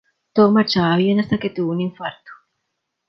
Todo marchaba bien hasta que tuvo un infarto.